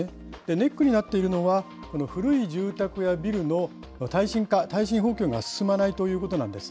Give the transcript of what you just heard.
ネックになっているのは、古い住宅やビルの耐震化、耐震補強が進まないということなんです。